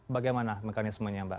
bagaimana mekanismenya mbak